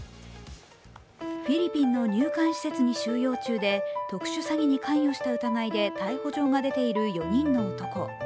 フィリピンの入管施設に収容中で特殊詐欺に関与した疑いで逮捕状が出ている４人の男。